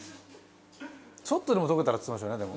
「ちょっとでも溶けたら」っつってましたよねでも。